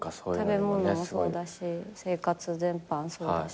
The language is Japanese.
食べ物もそうだし生活全般そうだし。